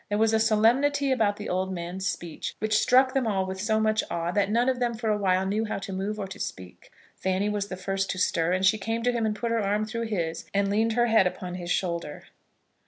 There was a solemnity about the old man's speech which struck them all with so much awe that none of them for a while knew how to move or to speak. Fanny was the first to stir, and she came to him and put her arm through his and leaned her head upon his shoulder.